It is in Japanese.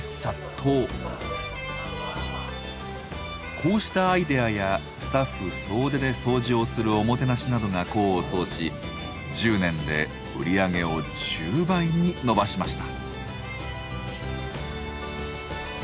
こうしたアイデアやスタッフ総出で掃除をするおもてなしなどが功を奏し１０年で売り上げを１０倍に伸ばしました。